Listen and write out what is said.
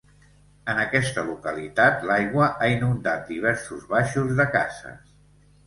En aquesta localitat, l’aigua ha inundat diversos baixos de cases.